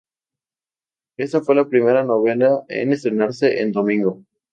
Esta fue la primera novela en estrenarse en domingo.